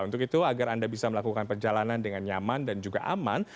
untuk itu agar anda bisa melakukan perjalanan dengan nyaman dan juga aman